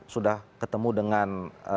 sudah ketemu dengan